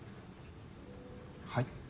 はい？